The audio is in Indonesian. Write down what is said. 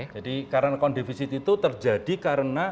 jadi karena kondifisit itu terjadi karena